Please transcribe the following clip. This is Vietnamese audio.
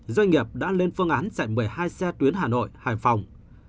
doanh nghiệp đã lên phương án chạy một mươi hai xe tuyến hà nội hải phòng